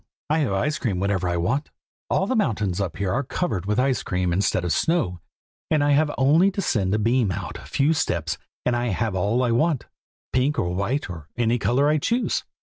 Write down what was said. I have ice cream whenever I want it. All the mountains up here are covered with ice cream instead of snow, and I have only to send a beam out a few steps and I have all I want; pink or white, or any color I choose."